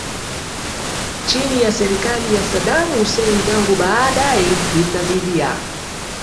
chini ya serikali ya Saddam Hussein tangu baadaye vita dhidi ya